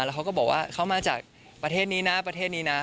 แล้วเขาก็บอกว่าเขามาจากประเทศนี้นะประเทศนี้นะ